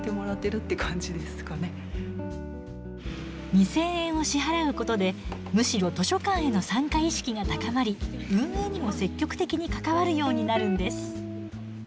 ２，０００円を支払うことでむしろ図書館への参加意識が高まり運営にも積極的に関わるようになるんです。